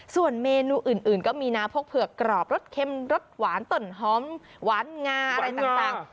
ส่วนเมนูอื่นก็มีนะพวกเผือกกรอบรสเค็มรสหวานต่นหอมหวานงาอะไรต่าง